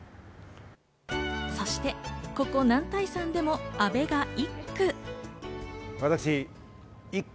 そして、ここ男体山でも阿部が一句。